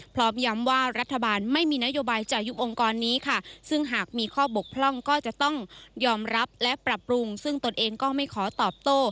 พร้อมย้ำว่ารัฐบาลไม่มีนโยบายจะยุบองค์กรนี้ค่ะซึ่งหากมีข้อบกพร่องก็จะต้องยอมรับและปรับปรุงซึ่งตนเองก็ไม่ขอตอบโต้